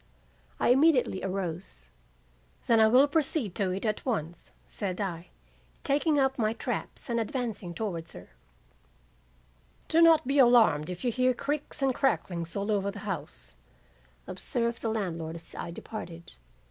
"I immediately arose. 'Then I will proceed to it at once,' said I, taking up my traps and advancing towards her. "'Do not be alarmed if you hear creaks and cracklings all over the house,' observed the landlord as I departed.